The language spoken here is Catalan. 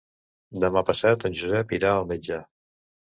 Demà passat en Josep irà al metge.